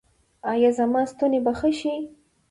ایا زما ستونی به ښه شي؟